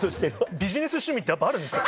ビジネス趣味ってやっぱあるんですか。